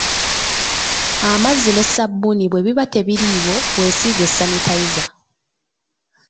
Amazzi ne ssabbuuni bwe biba tebiriiwo, weesiige sanitayiza.